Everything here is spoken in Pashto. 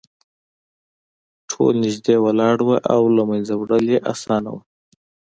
ټول نږدې ولاړ وو او له منځه وړل یې اسانه وو